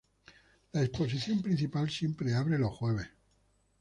La exposición principal siempre abre los jueves.